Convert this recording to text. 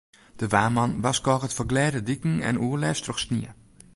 De waarman warskôget foar glêde diken en oerlêst troch snie.